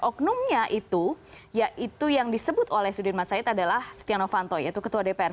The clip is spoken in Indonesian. oknumnya itu yaitu yang disebut oleh sudirman said adalah setia novanto yaitu ketua dpr